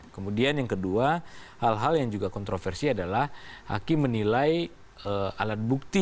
kemudian yang kedua hal hal yang juga kontroversi adalah hakim menilai alat bukti